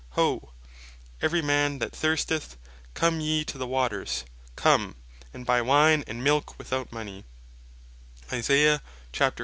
1. "Ho, every man that thirsteth, come yee to the waters, come, and buy wine and milke without money."